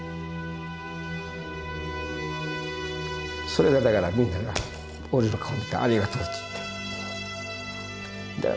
それがだからみんなが俺の顔を見て「ありがとう」と言って。